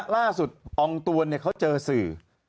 ล่าสุดอองตวนเขาเจอสื่อ